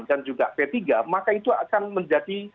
dan juga p tiga maka itu akan menjadi